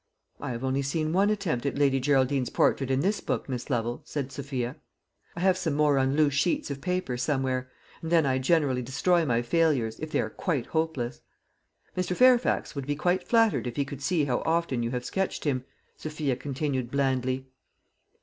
"I have only seen one attempt at Lady Geraldine's portrait in this book, Miss Lovel," said Sophia. "I have some more on loose sheets of paper, somewhere; and then I generally destroy my failures, if they are quite hopeless." "Mr. Fairfax would be quite flattered if he could see how often you have sketched him," Sophia continued blandly.